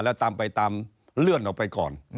แล้วตามไปตามเลื่อนออกไปก่อน